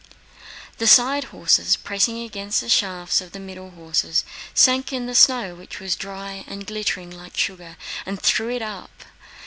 The side horses, pressing against the shafts of the middle horse, sank in the snow, which was dry and glittered like sugar, and threw it up.